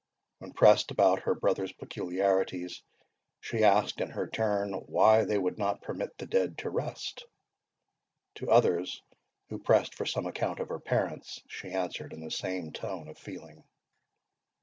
When pressed about her brother's peculiarities, she asked, in her turn, why they would not permit the dead to rest? To others, who pressed for some account of her parents, she answered in the same tone of feeling.